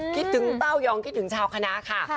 คิดถึงเต้ายองคิดถึงชาวคณะค่ะ